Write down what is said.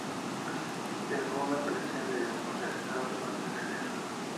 Dejó una colección de dibujos realizados durante la guerra.